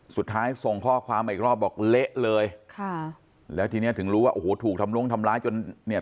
สุดท้ายส่งข้อความมาอีกรอบบอกเละเลยค่ะแล้วทีเนี้ยถึงรู้ว่าโอ้โหถูกทำลงทำร้ายจนเนี่ย